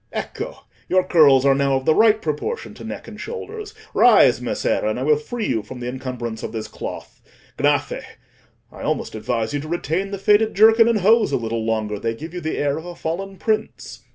Ecco! your curls are now of the right proportion to neck and shoulders; rise, Messer, and I will free you from the encumbrance of this cloth. Gnaffè! I almost advise you to retain the faded jerkin and hose a little longer; they give you the air of a fallen prince."